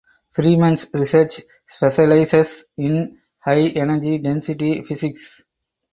Freeman’s research specializes in high energy density physics.